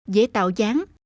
dễ tạo dáng